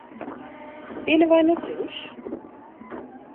Wienen wy net thús?